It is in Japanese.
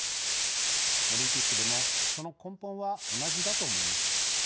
オリンピックでもその根本は同じだと思います。